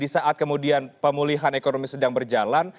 di saat kemudian pemulihan ekonomi sedang berjalan